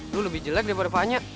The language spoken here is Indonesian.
lo lebih jelek daripada vanya